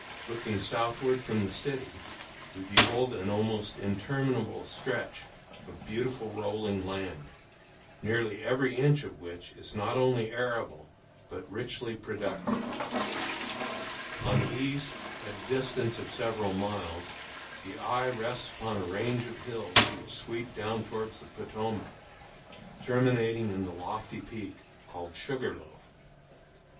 Looking southward from the city we behold an almost interminable stretch of beautiful rolling land, nearly every inch of which is not only arable but richly productive. On the east, at a distance of several miles, the eye rests upon a range of hills which sweep downward toward the Potomac, terminating in the lofty peak called Sugarloaf.